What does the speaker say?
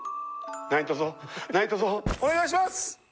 何とぞ何とぞお願いします！